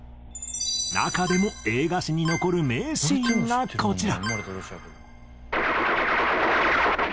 中でも映画史に残る名シーンがこちら。